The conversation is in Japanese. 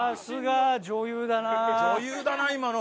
女優だな今の。